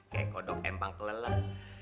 kayak kodok empang kelelah